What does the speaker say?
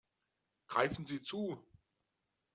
Greifen Sie zu!